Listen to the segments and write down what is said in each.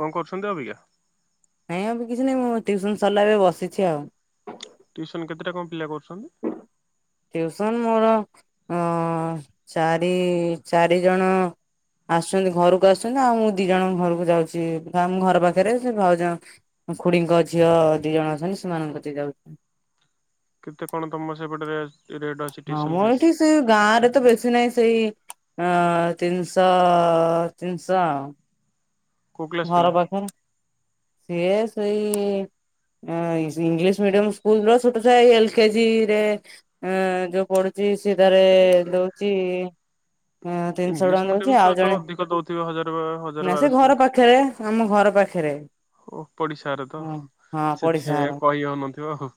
କଣ କରୁଛନ୍ତି ଅବିକା ନାଇଁବେ କିଛି ନାହିଁ ମୁଁ ଟ୍ୟଉସନ ସରିଲା ଏବେ ବସିଛି ଆଉ ଟିୁସନ୍ କେତେଟା କ ଣ ପିଲା କରୁଛନ୍ତି ଟିଉସନ୍ ମୋର ଚାରି ଚାରିଜଣ ଆସୁଛନ୍ତି ଘରକୁ ଆସୁଛନ୍ତି, ଆଉ ମୁଁ ଦି ଜଣଙ୍କ ଘରକୁ ଯାଉଛି ଆମ ଘର ପାଖରେ ସେ ଭାଉଜ- ଖୁଡିଙ୍କ ଝିଅ ଦି ଜଣ ଅଛନ୍ତି ସେମାନଙ୍କ କତିକି ଯାଉଛନ୍ତି କେତେ କଣ ତମର ସେପଟରେ ରେଟ୍ ଅଛି? ହଁ ଟିଉସନ ମୁଁ ଫିସ୍? ଏଇଠି ସେ ଗାଁ ରେ ତ ବେଶୀ ନାହିଁ ସେଇ ହ ତିନିଶହ, ତିନିଶହ କୋଉ କ୍ଲାସ ଘର ପିଲା? ପାଖରେ ସିଏ ସେଇ ଇଂଲିଶ ମିଡିୟମ ସ୍କୁଲ ର ଛୋଟ ଛ ଏଲ କେଜି ରେ ଯୋଉ ପଢ ଯିଏ ସେଧାରେ ଦଉଛି ହ ତିନିଶହ ଇଂଲିଶ ଟଙ୍କା ମିଡିୟମ ଦଉଛି। ଛୁଆ ଆଉ ତ ଜଣେ ଅଧିକ ଦଉଥିବେ ହଜାର ହଜାର ନା ସେ ବାରଶହ ଘର ଲେଖା। ପାଖରେ ଆମ ଘର ପାଖରେ ଓ ପଡିଶାରେ ତ ହଁ ହଁ ପଡିଶା ସେଥିପାଇଁ ଘର କହିହଉନଥିବ ଆଉ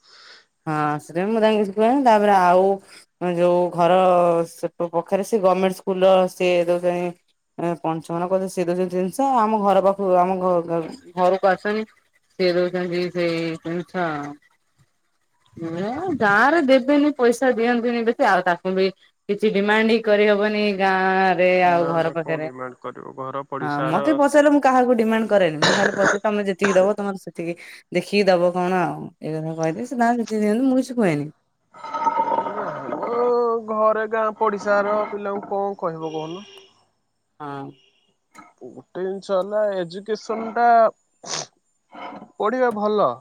ହଁ ସେ ମୁଁ ତାକୁ କିଛି କୁହନି ତାପରେ ଆଉ ଯୋଉ ଘର ପାଖରେ ସେ ଗର୍ମେଣ୍ଟ ସ୍କୁଲ ସିଏ ଦଉଛନ୍ତି ପଞ୍ଚଘନ କ ସେ ଦଉଛନ୍ତି ଜିନିଷ ଆମ ଘର ପାଖକୁ ଆମ ଘରକୁ ଆସଛନ୍ତି ସେ ଦଉଛନ୍ତି। ସେଇ ଜିନିଷ ଆଉ ଗାଁ ରେ ଦେବେନି ପଇସା ଦିଅନ୍ତିନି ବେଶୀ ଆଉ ତାକୁ ବି କିଛି ଡିମାଣ୍ଡ ହିଁ କରିହବନି। ଗାଁ ରେ ଆଉ ନା ଘର ନା କଣ ପାଖରେ, ଡିମାଣ୍ଡ କରିବ ଘର ହଁ ପଡିଶାର ମତେ ପଚାରିଲେ ମୁଁ କାହାକୁ ଡିମାଣ୍ଡ କରେନି ମୁଁ ଖାଲି ପଚାରେ ତମେ ଯେତିକି ଦବ ତମର ସେତିକି ଦେଖିକି ଦବ କଣ ଆଉ [unintelligible] ସିଏ ତାଙ୍କର ଯେତିକି ମୁଁ କିଛି କୁହେନି ହ୍ୟାଲୋ ଘରେ ଗାଁ ପଡିଶାର ପିଲାଙ୍କୁ କଣ କହିବ କହୁନ? ହଁ ଗୋଟେ ଜିନିଷ ହେଲା ଏଜୁକେସନ ଟା ପଢିବା ଭଲ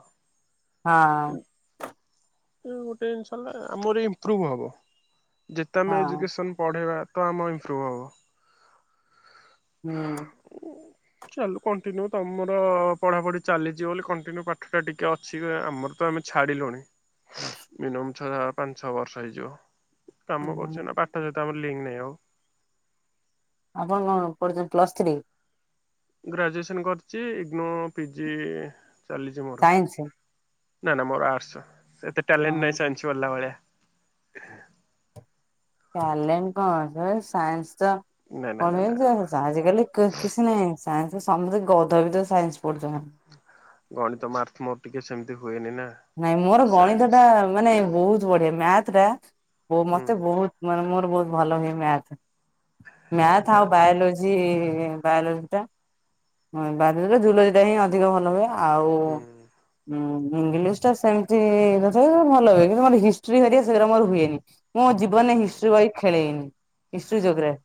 ହାଆଁ ଗୋଟେ ଜିନିଷ ହେଲା ଆମର ଇମ୍ପ୍ରୁଭ୍ ହେବ, ଯେତେ ଆମେ ହଁ ଏଜୁକେସନ୍ ପଢ଼େଇବା ତ ଆମମ ଇମ୍ପ୍ରୁଭ ହବ। ହୁଁ ଚାଲୁ କଣ୍ଟିନ୍ୟୁ ତମର ପଢାପଢି ଚାଲିଚି ବୋଲି କଣ୍ଟିନ୍ୟୁ ପାଠ ଟା ଟିକେ ଅ ଅଛି। ଆମର ତ ଆମେ ଛାଡ଼ିଲୁଣି। ମିନିମମ୍ ଛ ପାଞ୍ଚ ଛଅ ବର୍ଷ ହେଇଯିବ। କାମ ହୁଁ କରୁଚି ଏଇନା ପାଠ ସହିତ ଆମର ଲିଙ୍କ ନାହିଁ ଆଉ। ଆପଣ କଣ ପଢ଼ିଚନ୍ତି ପ୍ଲସ୍ ଥ୍ରୀ? ଗ୍ରାଜୁଏସନ୍ କରିଚି ଇଗି ନୋ ପିଜି ଚାଲିଚି ମୋର। ସାଇନ୍ସ ନା ନା ମୋର ଆର୍ଟସ ସେତେ ଟ୍ୟାଲେଣ୍ଟେ ହଁ। ନାହିଁ ସାଇନ୍ସି ପଢ଼ିଲା ଭଳିଆ। ଟ୍ୟାଲେଣ୍ଟ କଣ ଦରକାରେ ସାଇନ୍ସି ତ ନା ନା ନା ନା ପଡେଇଚି। ଆଜିକାଲି କ କିଛି ନାହିଁ ସାଇନ୍ସି ସମସ୍ତେ ଗଧ ବିତ ସାଇନ୍ସି ପଢୁଛନ୍ତି। ଗଣିତ ମାର୍ଥ ମୋର ଟିକେ ସେମିତି ହୁଏନି ନା। ନାଇଁ ମୋର ଗଣିତ ସାଇନ୍ସ ଟା ମାନେ ବହୁତ୍ ବଢିଆ ମ୍ୟାଥ ଟା ହୁଁ ମତେ ବହୁତ୍ ମାନେ ମୋର ବହୁତ ଭଲ ହୁଏ ମ୍ୟାଥ ନା ମ୍ୟାଥ ନା ଆଉ ବାୟୋଲୋଜି। ଜି ବାୟୋଲୋଜୀ ଟା ବାୟୋଲୋଜୀ ଜୁଲୋଜି ଟା ହିଁ ଅଧିକ ଭଲ ହୁଏ ଆଉ। ଆଉ ହୁଁ ଉଁ ଇଂଙ୍ଗିଲିଶ୍। ତସେମିତି ତଥାପି ଭଲ ହୁଏ କିନ୍ତୁ ମୋର ହିଷ୍ଟ୍ରି ହେରିକା ଶେଗୁରା ମୋର ହୁଏନି। ମୁଁ ଜୀବନରେ ହୁଁ ହିଷ୍ଟ୍ରି ବହି ଖେଳେଇନେହିଁ ହିଷ୍ଟ୍ରି ଯୋଗ୍ରାଫି।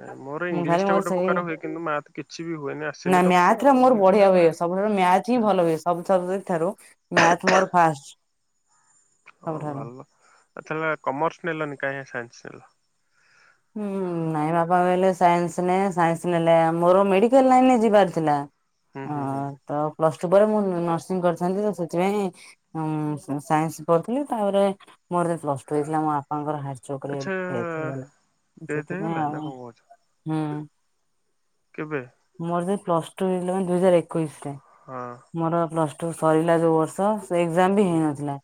ନାଇଁ ମୋର ଇଂଲିଶ ଟା ଗୋଟେ ସେଇ ପ୍ରକାର ହୁଏ କିନ୍ତୁ ମ୍ୟାଥ କିଛି ବି ହୁଏନି ନା ଆସେନି ତ ମତେ ମ୍ୟାଥ ରେ ବଢିଆ ଆଉ। ହୁଏ ମୋର ମ୍ୟାଥ ହିଁ ଭଲ ହୁଏ ସବୁ ସବଜେକ୍ଟେ ଠାରୁ ମ୍ୟାଥ ମୋର ଫାଷ୍ଟେ। ହଉ ଭଲ ଆଉ ତାଲେ କମର୍ସ ନେଲନି କାହିଁ ଆଉ ସାଇନ୍ସ ନେଲ? ହୁଁ। ନାଇଁ ବାପା କହିଲେ ସାଇନ୍ସି ନେଇଯା ସାଇନ୍ସି ନେଲେ ମୋର ମେଡିକାଲ ଲାଇନ ଯିବାର ଥିଲା। ହୁଁ ଅ ହୁଁ ହୁଁ। ତ ପ୍ଲସ୍ ଟୁ ପରେ ମୁଁ ନର୍ସିଂଙ୍ଗି କରିଥାନ୍ତି ତ ସେଥିପାଇଁ ହୁଁ ସାଇନ୍ସି କରୁଥିଲି ତାପରେ ମୋରେ ପ୍ଲସ ଟୁ ହେଇଥିଲା ମୋ ବାପାଙ୍କର ହାର୍ଟ ଚୋକ ରେ ଆଚ୍ଛା ଡେଥ ହେଇଗଲା। ଡେଥ୍ ସେଥିପାଇଁ ହେଇଗଲା ନା ଆଉ କଣ କହୁଛ ହୁଁ। କେବେ? ମୋର ଯେବେ ପ୍ଲସ୍ ଟୁ ହେଇଥିଲା ମାନେ ଦୁଇ ହଜାରେ ଏକୋଇଶି ରେ। ହଁ। ମୋର ପ୍ଲସ୍ ଟୁ ସରିଲା ଯୋଉ ବର୍ଷ ଏକ୍ଜାମ ବି ହୁଁ ହୁଁ ହେଇନଥିଲା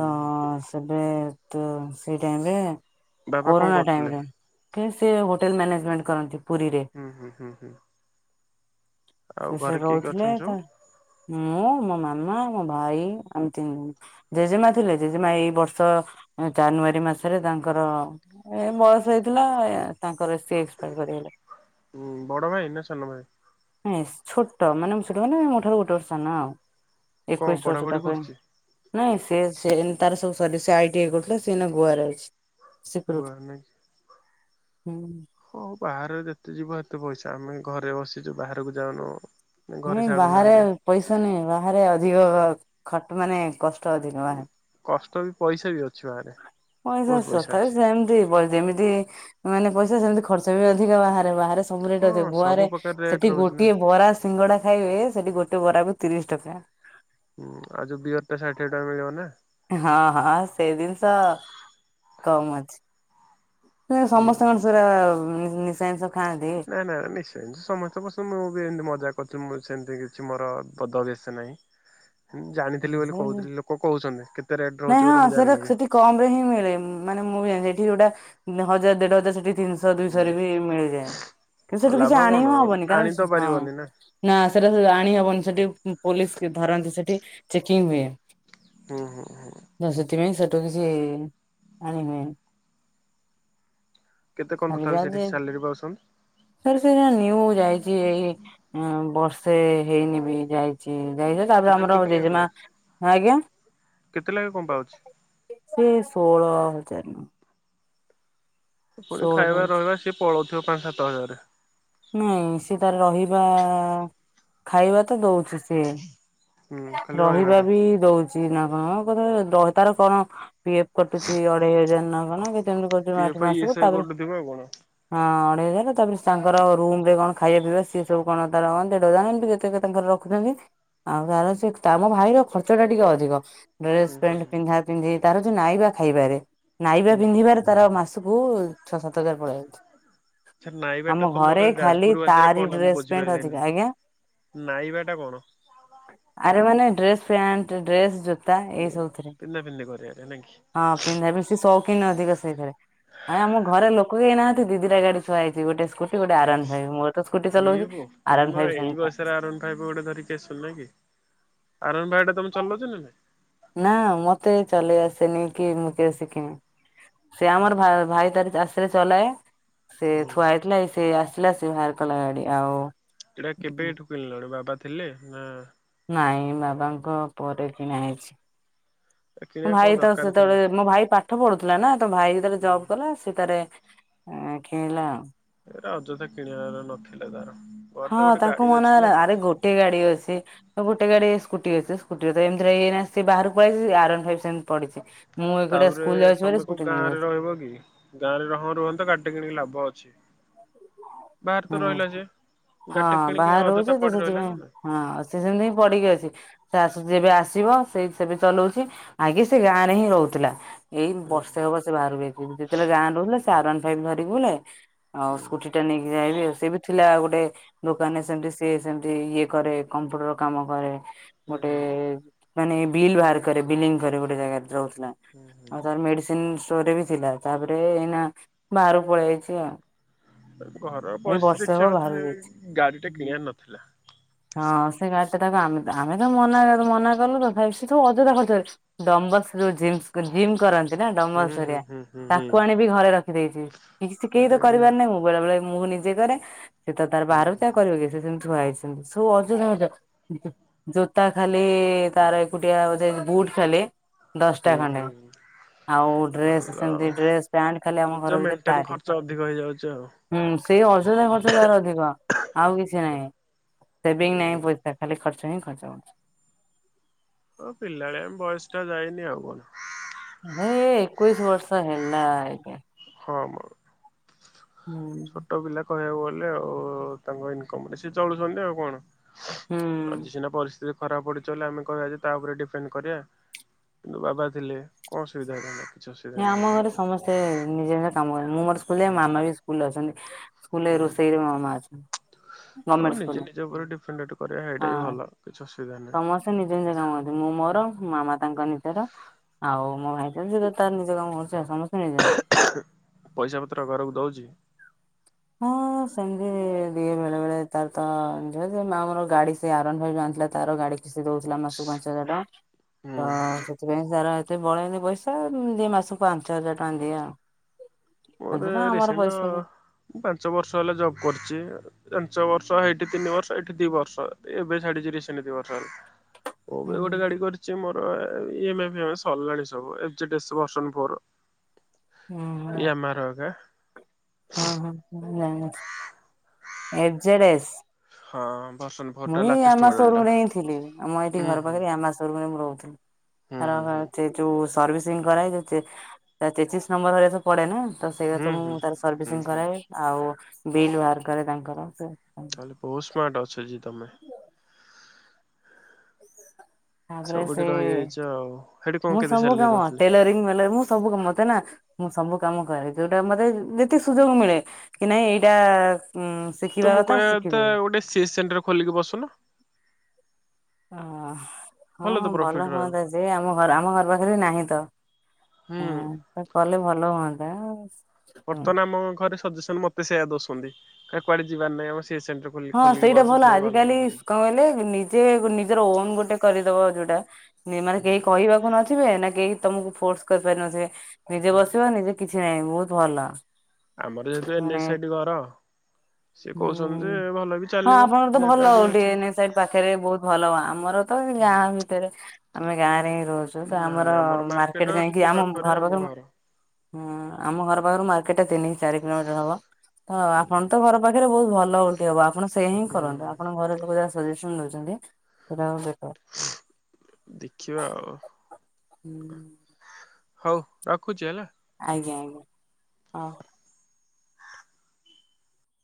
ତ ହୁଁ ସେବେଟୁ ସେ ଟାଇମ ରେ ବାବା କଣ କରୁଥିଲେ? କେ ସେ ହୋଟେଲେ ମ୍ୟାନେଜେମେଣ୍ଟେ କରନ୍ତି ପୁରୀରେ। ହୁଁ ହୁଁ ହୁଁ ହୁଁ। ଆଉ ସିଏ ଘରେ ସେଇଠି କିଏ କିଏ ରହୁଥିଲେ ଅଛନ୍ତି ସବୁ? ତା ମୁଁ ମୋ ମାମା ମୋ ଭାଇ ଆମେ ତିନି ଭୋଉଣୀ। ଜେଜେମା ଥିଲେ ଜେଜେମା ଏଇ ବର୍ଷ ଜାନୁଆରୀ ମାସରେ ତାଙ୍କର ଏଇ ବୟସ ହେଇଥୀ ଥିଲା ତାଙ୍କର ସେ ଏକ୍ସେପାର କରି ଗଲେ। ହୁଁ ବଡ ଭାଇ ନା ସାନ ଭାଇ? ନାଇ ଛୋଟ ମାନେ ଛୋଟ ମାନେ ମୋଠାରୁ ଗୋଟେ ବର୍ଷ ସାନ ଆଉ କଣ ଏକୋଇଶ ବର୍ଷ ପଢାପଢି ତାକୁ ଏନେ। କରୁଛି ନାଇଁ ସେ ସେ ଏନେ ତାର ସବୁ ସରି ସେ ଆଇଟିଆଇ କରିଥିଲା ସେ ଏନେ ଗୋଆରେ ଅଛି। ଗୁଆ ସିକୁରୁଟି ନାଇଁ ହୁଁ। ହଉ ବାହାରେ ଯେତେ ଯିବ ହେତେ ପଇସା ଆମେ ଘରେ ବସିଚୁ ବାହାରକୁ ଯାଉନୁ। ଘରେ ନାଇଁ ବାହାରେ ଛାଡୁନାହାନ୍ତି ପଇସା ନାଇଁ ବାହାରେ ଅଧିକ ଖଟ ମାନେ କଷ୍ଟ ଅଧିକ ବାହାରେ। କଷ୍ଟ ବି ପଇସା ବି ଅ ପଇସା ତଥାପି ସେମିତି ଯେମିତି ମାନେ ପଇସା ସେମିତି ଖର୍ଚ୍ଚ ବି ଅଧିକ ବାହାରେ ବାହାରେ ସବୁ ରେଟ ହଁ ଅଧିକ ସବୁ ଗୋଆରେ ପ୍ରକାର ରେଟ୍ ସେଠି ରହୁଛି ନା ଗୋଟିଏ ବରା ସି ସିଙ୍ଗଡା ଖାଇବେ ସେଠି ଗୋଟେ ବରା କୁ ତିରିଶ ଟଙ୍କା। ହୁଁ ଆଉ ଯୋଉ ବିୟର ଟା ଷାଠିଏ ଟଙ୍କା ମିଳିବ ନା। ହଁ ହଁ ସେ ଜିନିଷ କମ୍ ଅଛି। ସେ ହୁଁ ସମସ୍ତଙ୍କର ସେରା ନିଶା ଜିନିଷ। ଖାଆନ୍ତି। ନା ନା ନିଶ୍। ସେମିତି ସମସ୍ତ ଙ୍କ ସହ ମୁଁ ବି ଏମିତି ମଜା କରୁଚି ମୁଁ ସେମିତି କିଛି ମୋର ବଦଅଭ୍ୟାସ ନାହିଁ। ଜାଣିଥିଲି ବୋଲି କହୁଥିଲି ଲୋକ କହୁଚନ୍ତି, କେତେ ରେଟ ରହୁଚି ବୋଲି ମୁଁ ଜାଣିନେବି। କମ୍ ରେ ହିଁ ମିଳେ, ମାନେ ମୁଁ ବି ଜାଣିଚି ଏଠି ଯୋଉଟା ହଜାର, ଦେଢ ହଜାର ସେଠି ତିନିଶ। ଦ ଦୁଇଶହ ରେ ବି ହୁଁ ମିଳିଯାଏ, କିନ୍ତୁ ସେଠୁ କିଛି ଲାଭ କଣ ଆଣିବି ହବନି କାରଣ ଆଣି ତ ହଁ। ପାରିବନି ନା, ସେଟା ଆଣି ହବନି ସେଠି ପୋଲିସ ଧରନ୍ତି ସେଠି ଚେକିଂ ହୁଏ। ହୁଁ, ହୁଁ, ହୁଁ। ନା, ସେଥିପାଇଁ ସେଠୁ କିଛି ଆଣିହୁଏନି। କେତେ କଣ ତଥାବି ସେଠି ସଲାରୀ ପାଉଛନ? ସରେ ସେଟା ନିଉ ଯାଇଚି ଏଇ ବର୍ଷେ ହେଇନି ବି ଯାଇଚି। ଯାଇଚି, ତାପରେ ତଥାପି ଆମର କେତେ ଲେଖା ଜେଜେମା ପାଉଛୁ? ଆଜ୍ଞା। କେତେ ଲେଖା କଣ ପାଉଛି ସେ ଷୋହଳ ହଜାର ନ। ପୁଣି ଖାଇବା, ପାଉଛି ରହିବା ସିଏ ପଳଉଥିବ ପାଞ୍ଚ, ସାତ ହଜାରେ। ନାଇଁ, ସିଏ ତାର ରହିବା, ଖାଇବା ତ ଦଉଚି ସିଏ। ହୁଁ ଖାଲି ରହିବାଟା [unintelligible] P F I S I କରୁଥିବ ଆଉ କଣ [unintelligible] ହଁ ଅଢେଇ ହଜାର, ତାପରେ ତାଙ୍କର ରୁମ୍ ରେ କଣ ଖାଇବା, ପିଇବା ସିଏ ସବୁ କଣ ତାର ଦେଢ ହଜାର ଏମିତି କେତେ ତାଙ୍କର। [unintelligible] ସେ ମୋ ଭାଇର ଖର୍ଚ୍ଚ ଟା ଟିକେ ଅଧିକ। ଡ୍ରେସ ହୁଁ ହୁଁ ପ୍ୟାଣ୍ଟ ପିନ୍ଧା ପିନ୍ଧି ତାର ଯୋଉ ନାଇବା ଖାଇବାରେ। ନାଇବା ହୁଁ ହୁଁ। ପିନ୍ଧିବାରେ ହୁଁ। ତାର ମାସକୁ ଛଅ, ସାତ ହଜାର ପଳାଇ ଯାଉଚି। ଆଚ୍ଛା ନାଇବା ଟା ଆମ ତମର ଘରେ ଖାଲି ଯାଜପୁର ଭାଷାରେ ତାରି ଡ୍ରେସ, ପେଣ୍ଟ ଅଧିକା। ଆଜ୍ଞା। ନାଇବାଟା କଣ? ଆରେ ମାନେ ଡ୍ରେସ, ପ୍ୟାଣ୍ଟ, ଡ୍ରେସ, ଜୋତା। ଏଇ ସବୁଥିରେ [unintelligible] ହଁ, ପିନ୍ଧା ବେଶି ସଉ କିନ୍ ଅଧିକ ସେଇଥିରେ। ଆଜ୍ଞା, ଆମ ଘରେ ଲୋକ କେହି ନାହାନ୍ତି ଦି ଦିଟା ଗାଡି ଥୁଆ ହେଇଚି। ଗୋଟେ ସ୍କୁ। ଗୋଟେ ଲାଗି ଆରୱାନଫାଇଭ। ମୋର ତ ସ୍କୁଟି ଚଲଉଚି ଆରୱାନଫାଇଭ ସେମିତି ଥାଏ। ଭାଇ ବି ଗୋଟେ ଧରିକ ଆସିବ ନାଇ କି? ଆରୱାନଫାଇଭ ଟା ତମେ ଚଲଉଚ ନାଁ ନାଇ? ନା, ମତେ ଚଲେଇ ଆସେନି କି ମୁଁ କେବେ ଶିଖିନି। ସେ ଆମର ଭାଇ ତାର ଆସିଲେ ଚଲାଏ, ସେ ହୁଁ ଥୁଆ ହେଇଥିଲା ସେ ଆ। ଥିଲା, ସେ ବାହାର କଲା ଗାଡି ଆଉ। ଏଇଟା କେବେ ଠୁ କିଣିଲଣି, ବାବା ଥିଲେ ନା। ନାଇଁ, ବାବା ଙ୍କ ପରେ କିଣାହେଇଚି। ମୋ କିଣିବା କଣ ଭାଇ ତ ଦରକାର ସେତବଳେ ଥିଲା? ମୋ ଭାଇ ପାଠ। ପାଠ ପଢୁଥିଲା ନା। ତ ଭାଇ ଯେତବଳେ ଜବ୍ କଲା ସେ ତାରେ କିଣିଲା ଆଉ। ଏଗୁଡା ଅଯଥା କିଣିବା ର ନଥିଲା ତାର। ମୋର ହଁ, ତ ଗୋଟେ ତାକୁ ଗାଡି ମନା ଅଛି ହେଲା, ନା ଆରେ ଗୋଟେ ଗାଡି ଅଛି। ଗୋଟେ ଗାଡି ସ୍କୁଟି ଅଛି, ସ୍କୁଟିରେ ତ ଏମିତି ରେ ବାହାରକୁ ପଳେଇଚି ଆରୱାନଫାଇଭ ସେମିତି ପଡିଚି। ତାପରେ ତମେ କୋଉ ଗାଁ ରେ ରହିବ କି? ଗାଁ ରେ ହଁ ରୁହନ୍ତ ଗାଡ଼ି ଟା କିଣିକି ଲାଭ ଅଛି। ବାହାରେ ତ ହୁଁ। ରହିଲା ଯେ, ହଁ ଗାଡିଟା କିଣିକି ବାହାରେ ରହୁଛି ଅଯଥା ତ ପଡି ରହିଲା ସେଥିପାଇଁ ନା ନା। ହଁ, ସେ ସେମିତି ହିଁ ପଡିକି ଅଛି। ସେ ଯେବେ ଆସିବ ସେଇ ସେବେ ଚଲଉଚି, ଆଗେ ସେ ଗାଁ ରେ ହିଁ ରହୁଥିଲା। ଏଇ ହୁଁ ବର୍ଷେ ହବ ସେ ବାହାରକୁ ଯାଇଚି, ଯେତବଳେ ଗାଁ ରହୁଥିଲା ସେ ଆରୱାନଫାଇଭ ଧରିକି ବୁଲେ ଆଉ ହୁଁ ସ୍କୁଟି। ଟା ନେଇକି ଯାଇବି, ଆ ସେ ବି ଥିଲା ଆଉ ଗୋଟେ। ଦୋକାନରେ ସେମତି ସିଏ ସେମତି ଇଏ କରେ କମ୍ପ୍ୟୁଟର କାମ କରେ। ହୁଁ ହୁଁ ଗୋଟେ ହୁଁ ମାନେ ବିଲ୍ ବାହାର କରେ ବିଲଣ୍ଗି କରେ ଗୋଟେ ଜାଗାରେ ରହୁଥିଲା। ହୁଁ ହୁଁ ଆଉ ତାର ମେଡିସିନ ଷ୍ଟୋର ରେ ବି ଥିଲା ତାପରେ ଏଇନା ବାହାରକୁ ପଳେଇ ଯାଇଛି ଆଉ। ଘରର ଏଇ ପରିସ୍ଥିତି ବର୍ଷେ ହବ ଦେଖିବା ବାହାରକୁ ଯାଇଛି। କଥା ଗାଡି ଟା କିଣିବାର ନଥିଲା। ହଁ ସେ ଗାଡ଼ିଟା ତାକୁ ଆମେ ଆମେ ତ ମନା ମନା କଲୁ ତଥାପି ସେ ସବୁ ଅଜୁରା ଖଜରେ ଡମ୍ବସ ଯୋଉ ଜିମ୍ କରନ୍ତି। ନା ହୁଁ ହୁଁ ଡଙ୍ଗଲସରିଆ ହୁଁ ହୁଁ ହୁଁ। ତାକୁ ଆଣିବି ଘରେ ରଖିଦେଇଛି କି କେହି ତ ରେଡିଓ କରିବାର ନାହି ମୁଁ ବେଳେ ବେଳେ ମୁଁ ନିଜେ କରେ। ସେ ତ ତାର ହୁଁ ବାହାରକୁ ଯାଏ ଆଉ କରିବ କିମତି ସେମିତି ଛୁଆ ହେଇ ସବ ଅଜଜ ଜୋତା ଖାଲି ତାର ଏକୁଟିଆ ବୁଟ ଖାଲି। ଦଶଟା ହୁଁ ଖଣ୍ଡେ ହୁଁ। ଆଉ ଡ୍ରେସ୍ ଭଲ ସେମିତି ଆଉ ଡ୍ରେସ୍ ପ୍ୟାଣ୍ଟ ଖାଲି ଆମ ଘର ନିଜ ଭିତରେ ମେଣ୍ଟେନ ତାରି। ଖର୍ଚ୍ଚ ଅଧିକ ହେଇଯାଉଛି ଆଉ। ହୁଁ ସେଇ ଅଜଥା ଖର୍ଚ୍ଚ ତାର ଅଧିକ ଆଉ କିଛି ନାହିଁ। ସେଭିଙ୍ଗ ନାହିଁ ହୁଁ। ପଇସା ଖାଲି ଖର୍ଚ ହିଁ ଖର୍ଚ୍ଚ ହଉଛି। ଓ ପିଲାଳିଆ ବୟସ ଟା ଯାଇନି ଆଉ କଣ। ନ ଏକୋଇଶି ବର୍ଷ ହେଲା ଆଜ୍ଞା। ହଁ ମ। ହୁଁ। ଛୋଟ ପିଲା କହିବାକୁ ଗଲେ। ଆଉ ତାଙ୍କ ଇନକମ ରେ ସିଏ ଚଳୁଛନ୍ତି ଆଉ କଣ। ଆଜି ହୁଁ। ସିନା ପରିସ୍ଥିତି ଖରାପ ପଡ଼ିଛି ବୋଲି ଆମେ କହିବା ଯେ ତା ଉପରେ ଡିପେଣ୍ଡ କରିବା କିନ୍ତୁ ବାବା ଥିଲେ କଣ ସୁୁବିଧା ହେଇଥାନ୍ତା। କିଛି ଅସୁବିଧା ଏ ଆମ ନଥାନ୍ତା। ଘରେ ସମସ୍ତେ ନିଜେ ନିଜ କାମ କରନ୍ତି। ମୁଁ ମୋର ସ୍କୁଲରେ ହୁଁ ମାମା ବି ସ୍କୁଲରେ ଅଛନ୍ତି। ସ୍କୁଲ ରେ ହୁଁ। ରୋଷେଇ ରେ ମୋ ମାଆ ଅଛନ୍ତି। ହଉ ଗମେଣ୍ଟ ନିଜେ ସ୍କୁଲରେ ନିଜ ଉପରେ ଡିପେଣ୍ଡେ କରିବା ଏଇଟା ବି ଭଲ। କିଛି ଅସୁବିଧା ନାହିଁ। ସେ ନିଜେ ନିଜ କାମ କରନ୍ତି। ମୁଁ ମୋର ମାମା ତାଙ୍କ ନିଜର। ଆଉ ମୋ ଭାଇ ଯ ତାର ନିଜ କାମ କରୁଛି ଆଉ ସମସ୍ତେ ନିଜ ପଇସା ପତ୍ର ଘରକୁ ଦଉଛି। ହଁ। ସେମିତି ଦିଏ ବେଳେ ବେଳେ ତାର ତ ମାମର ଗାଡି ସେ ଆର ୱା ନ ଫାଇପି ଜାଣିଥିଲା ତାର ଗାଡି- ସେ ଦଉଥିଲା ମାସକୁ ପାଞ୍ଚ ହଜାର ଟଙ୍କା। ହୁଁ ତ ସେଥିପାଇଁ ସାର ଏତେ ବଳେନି ପଇସା ଦିଏ ମାସକୁ ପାଁଶ ହଜାରେ ଟଙ୍କା ଦିଏ ଆଉ। ପାଞ୍ଚ ମୋର ଟଙ୍କା ଆମର ରିସେଣ୍ଟ ପଇସା ହୁଁ ପାଞ୍ଚ ବର୍ଷ ହେଲା ଜବ୍ କରିଛି। ପାଞ୍ଚ ବର୍ଷ ଏଇଠି ତିନି ବର୍ଷ ଏଇଠି ଦି ବର୍ଷ ଏବେ ଛାଡିଚି ସେମିତି ବର୍ଷ ହେଲା। ମୁଁ ବି ହୁଁ ଗୋଟେ ଗାଡି କରିଛି। ମୋର ଇ ଏମ୍ ଆଇ ସରିଲାଣି ସବୁ F Z S version four. ୟାମାର ଅକା। ହଁ ହଁ ଏଫ ଜେଡ ଏସ୍। ହଁ ବସ ମୁଇଁ ଆମା ସୋରୁମ ରେ ହିଁ ଥିଲି। ଆମ ଏଇଠି ହୁଁ ଘର ହୁଁ। ପାଖରେ ଆମା ସୋରୁମ ରେ ମୁଁ ରହୁଥିଲି। ହୁଁ ହୁଁ ହୁଁ ତାର ଯୋଉ ସର୍ଭିସିଂ କରାହେଇଥାଏ ତା ତେତିଶ ନମ୍ବରରେ ସ ପଡେ ନା ତ ସେଇା ହୁଁ ସବୁ ହୁଁ ମୁଁ ତାର ହୁଁ ସର୍ଭିସିଂ ହୁଁ କରାଇ। ଆଉ ବିଲ୍ ବାହାର କରେ ତାଙ୍କର। ତାହେଲେ ବହୁତ ସ୍ମାର୍ଟ ଅଛ ଯେ ତମେ। ତାପରେ ସବୁଠି ସେ ରହିଯାଇଛ ଆଉ ସେଠି କଣ ମୁଁ କେତେ ସବୁ ସାଲେରୀ କାମ ଦଉଥିଲେ? ଟେଲରିଙ୍ଗ ମଲେରି ମୁଁ ସବୁ କାମ। ମତେ ନା ମୁଁ ସବୁ କାମ କରେ। ଯୋଉଟା ମତେ ଯେତେ ସୁଯୋଗ ମିଳେ କି ନାଇଁ ଏଇଟା ଉଁ ତ ଶିଖିବା ମୁଁ କଥା କହିବା ତ ଶିଖିଦେବି ଗୋଟେ ସି ଏସ ସି ସେଣ୍ଟର ଖୋଲିକି ବସୁନ? ଓ ହଁ ତ ପ୍ରଫିଟ ଭଲ ରହିବ। ହୁଅନ୍ତା ଯେ ସେ ଆମ ଘର ଆମ ଘର ପାଖରେ ନାହିଁ ତ। ହୁଁ କଲେ ଭଲ ହୁଅନ୍ତା। ହୁଁ ବର୍ତ୍ତମାନ ଆମ ଘରେ ସଜେସନ ମତେ ସେଇଆ ଦେଉଛନ୍ତି। କୁଆଡେ ଯିବାର ନାହିଁ ଆମ ସୀ ଏ ସେଣ୍ଟ ହଁ ସେଇଟା ଭଲ ଆଜିକାଲି କଣ କହିଲେ ନି ଯେ ନିଜର ଓନ୍ ଗୋଟେ କରିଦବ ଯୋଉଟା ମାନେ କେହି ହୁଁ। କହିବାକୁ ନ ଥିବେ ନା କେହି ତମକୁ ଫୋର୍ସ କରିପାରି ନଥିବେ। ନିଜେ ବସିବ ନିଜେ କିଛି ନାହିଁ ବହୁତ ଭଲ। ଆମର ଯେହେତୁ ଏନ୍ ମାନେ ଏଚ ସାଇଡି ଘର ସିଏ ହୁଁ କହୁଛନ୍ତି ଯେ ଭଲ ବି ହଁ ଚାଲିବ ଆପଣଙ୍କର ତ ଜାଗା ଭଲ ବି ଗୋଟେ ଅଛି। ଏନ ଚ ସାଇଡି ପାଖରେ ବହୁତ ଭଲ ଆମର ତ ଗାଁ ଭିତରେ ଆମେ ଗାଁ ରେ ହିଁ ରହୁଛୁ। ତ ଆମର ମାର୍କେଟ ଯାଇକି ଆମ ଘର ପାଖରେ ହୁଁ ଆମ ଘର ପାଖରୁ ମାର୍କେଟ ଟା ତିନି ଚାରି କିଲୋମିଟର ହବ। ତ ଆପଣ ହୁଁ ତ ଘର ପାଖରେ ବହୁତ ଭଲ ଗୋଟେ ହବ। ଆପଣ ସେ ହିଁ କରନ୍ତୁ। ଆପଣ ଘର ଲୋକ ଯାହା ସଜେସନ ଦଉଛନ୍ତି, ସେଇଟା ବେଟର। ଉଁ ଦେଖିବା ଆଉ। ହୁଁ। ହଉ ରଖୁଛି ହେଲା। ଆଜ୍ଞା ଆଜ୍ଞା ହଁ।